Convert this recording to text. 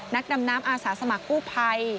นักดำน้ำอาสาสมัครกู้ภัย